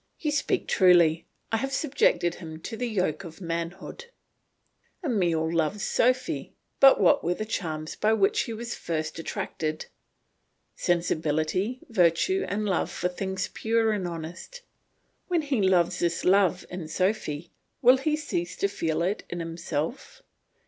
You speak truly, I have subjected him to the yoke of manhood. Emile loves Sophy; but what were the charms by which he was first attracted? Sensibility, virtue, and love for things pure and honest. When he loves this love in Sophy, will he cease to feel it himself?